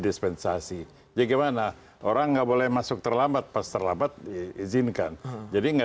dispensasi jadi mana orang nggak boleh masuk terlambat pas terlambat izinkan jadi enggak